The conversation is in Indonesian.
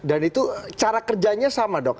dan itu cara kerjanya sama dok